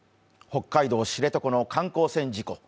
北海道知床の観光船事故。